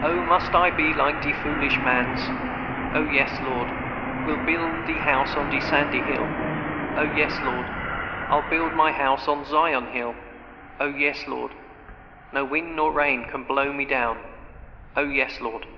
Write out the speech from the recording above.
"O, must I be like de foolish mans? O yes, Lord! Will build de house on de sandy hill. O yes, Lord! I'll build my house on Zion hill, O yes, Lord! No wind nor rain can blow me down, O yes, Lord!"